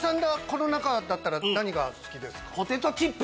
この中だったら何が好きですか？